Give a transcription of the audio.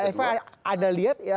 diperlukan komitmen itu